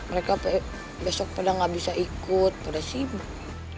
mereka besok pada nggak bisa ikut pada sibuk